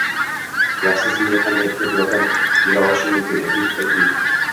Yaxshisi: “Senga qanday qilib yordam bera olishim mumkin?” deb ayting.